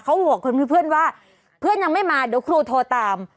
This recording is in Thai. เขาห่วงเพื่อนว่าเพื่อนยังไม่มาเดี๋ยวครูโทรตาม